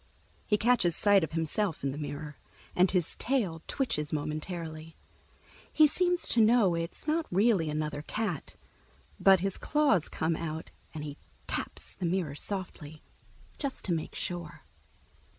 He catches sight of himself in the mirror, and his tail twitches momentarily. He seems to know it's not really another cat, but his claws come out and he taps the mirror softly, just to make sure.